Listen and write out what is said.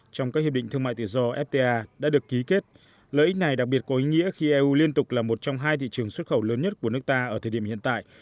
trong các hiệp định thương mại tự do fta đã được ký kết lợi ích này đặc biệt có ý nghĩa khi eu liên tục là một trong hai thị trường xuất khẩu lớn nhất của nước ta ở thời điểm hiện tại